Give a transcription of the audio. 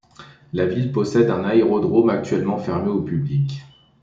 La ville possède un aérodrome, actuellement fermé au public.